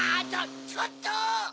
ちょっと！